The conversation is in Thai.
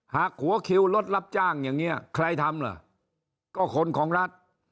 หัวคิวรถรับจ้างอย่างนี้ใครทำล่ะก็คนของรัฐ